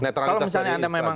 neutralitas dari instagram